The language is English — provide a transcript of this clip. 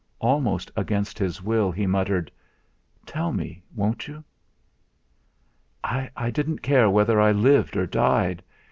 Almost against his will he muttered: "Tell me, won't you?" "I didn't care whether I lived or died.